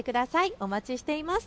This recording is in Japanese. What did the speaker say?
お待ちしています。